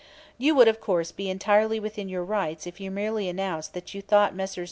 You would, of course, be entirely within your rights if you merely announced that you thought Messrs.